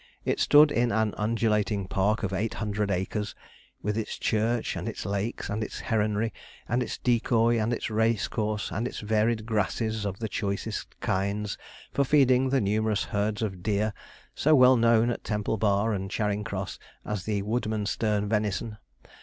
It stood in an undulating park of 800 acres, with its church, and its lakes, and its heronry, and its decoy, and its racecourse, and its varied grasses of the choicest kinds, for feeding the numerous herds of deer, so well known at Temple Bar and Charing Cross as the Woodmansterne venison.